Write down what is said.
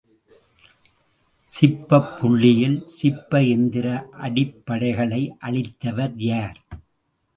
சிப்பப்புள்ளியியல் சிப்ப எந்திர அடிப்படைகளை அளித்தவர் யார்?